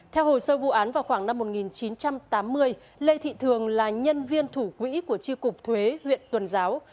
theo hồ sơ vụ án vào khoảng năm một nghìn chín trăm tám mươi lê thị thường là nhân viên thủ quỹ của tri cục thuế huyện tuần giáo